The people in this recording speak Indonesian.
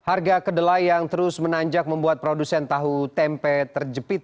harga kedelai yang terus menanjak membuat produsen tahu tempe terjepit